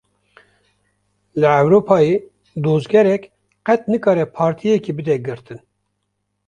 Li Ewropayê dozgerek, qet nikare partiyekê bide girtin